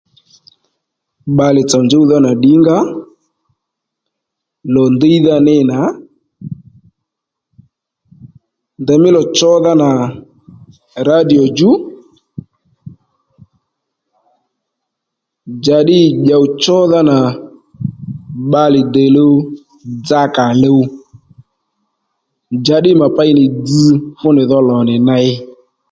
Bbalè tsò njúwdha nà ddǐngǎ lò ndíydha ní nà ndèymí lò chódha nà rǎdìo djú njàddî dyòw chódha nà bbalè dèluw dzakà luw njàddî mà pey nì dzz fúnì dho lò nì ney